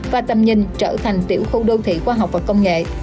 và tầm nhìn trở thành tiểu khu đô thị khoa học và công nghệ